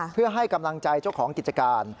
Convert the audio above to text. เพื่อให้กำลังใจเจ้าของกิจการ